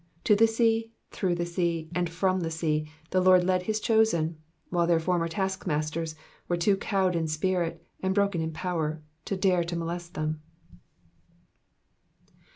To the sea, through the sea, and from the sea, the Lord led his chosen ; while their former taskmasters were too cowed in spirit, and broken in power, to dare to molest them.